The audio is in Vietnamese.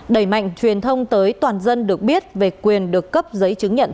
đẩy mạnh truyền thông tới toàn dân được biết về quyền được cấp giấy chứng nhận